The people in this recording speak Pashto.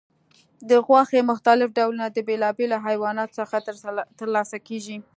د غوښې مختلف ډولونه د بیلابیلو حیواناتو څخه ترلاسه کېږي.